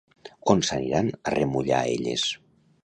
On s'aniran a remullar elles?